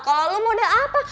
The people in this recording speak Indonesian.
kalau lo model apa